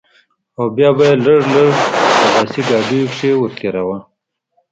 او بيا به يې لږ لږ په لاسي ګاډيو کښې ورتېراوه.